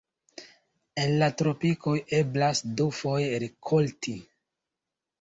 En la tropikoj eblas dufoje rikolti.